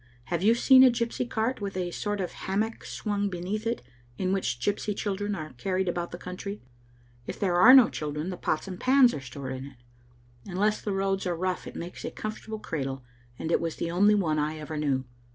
Have you seen a gypsy cart with a sort of ham mock swung beneath it in which gypsy children are carried about the country? If there are no children, the pots and pans are stored in it. Unless the roads are rough it makes a comfortable cradle, and it was the only one I ever knew.